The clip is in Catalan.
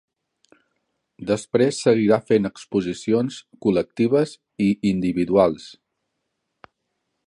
Després seguirà fent exposicions col·lectives i individuals.